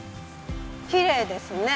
きれいですね。